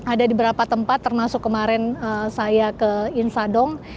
ada di beberapa tempat termasuk kemarin saya ke insadong